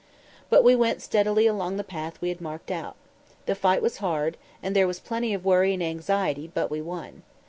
But we went steadily along the path we had marked out. The fight was hard, and there was plenty of worry and anxiety, but we won.